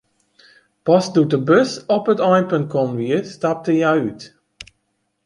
Pas doe't de bus op it einpunt kommen wie, stapte hja út.